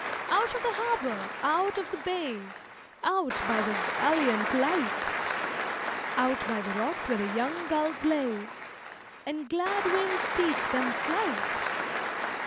Out of the Harbour! out of the Bay! Out by the valiant Light, Out by rocks where the young gulls lay And glad winds teach them flight!